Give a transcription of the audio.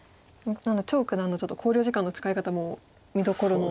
なので張九段のちょっと考慮時間の使い方も見どころの。